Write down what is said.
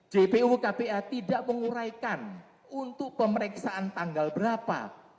jpu kpa tidak menguraikan untuk pemeriksaan tanggal berapa